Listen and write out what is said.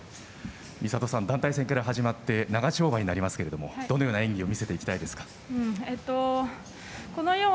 美里さん、団体戦から始まって長丁場になりますけどどのような演技を見せていきたいですか。